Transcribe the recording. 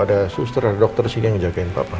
ada suster ada dokter sini yang jagain papa